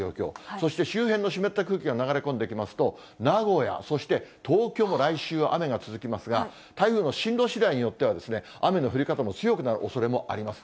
そして、周辺の湿った空気が流れ込んできますと、名古屋、そして東京も来週、雨が続きますが、台風の進路しだいによっては、雨の降り方も強くなるおそれもあります。